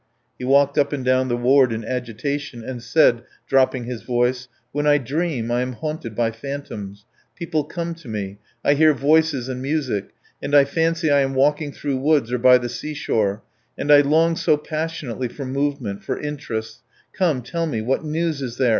He walked up and down the ward in agitation, and said, dropping his voice: "When I dream I am haunted by phantoms. People come to me, I hear voices and music, and I fancy I am walking through woods or by the seashore, and I long so passionately for movement, for interests .... Come, tell me, what news is there?"